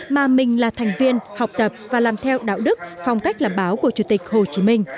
mà mình là thành viên học tập và làm theo đạo đức phong cách làm báo của chủ tịch hồ chí minh